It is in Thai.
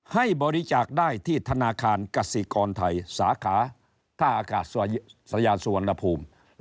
ให้บริจาคได้ที่ธนาคารกสิกรไทยสาขาท่าอากาศยาสุวรรณภูมิ